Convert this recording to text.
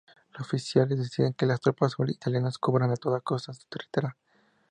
Los oficiales deciden que las tropas italianas cubran, a toda costa, su retirada.